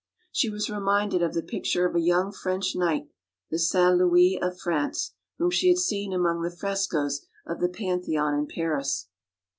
She was reminded of the picture of a young French knight, the St. Louis of France, whom she had seen among the frescoes of the Pantheon in Paris.